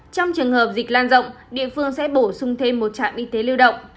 trong trường hợp dịch lan rộng địa phương sẽ bổ sung thêm một trạm y tế lưu động